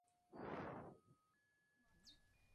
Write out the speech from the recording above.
Durante varios días el país estuvo al borde de la guerra civil.